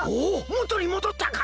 もとにもどったか！？